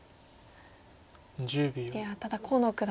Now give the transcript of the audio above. いやただ河野九段